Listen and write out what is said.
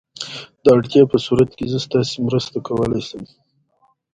جوړونکي عنصرونه خپل لومړني ځانګړتياوي له لاسه ورکوي.